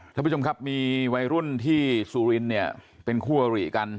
ท่านผู้ชมครับมีวัยรุ่นที่ซูรินจิย์เป็นคั่วหลีกัน